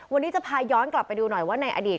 วันนี้จะพาย้อนกลับไปดูหน่อยว่าในอดีต